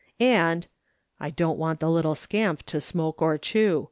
and " I don't want the little scamp to smoke or chew.